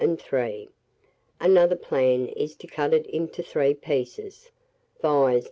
Another plan is to cut it into three pieces; viz.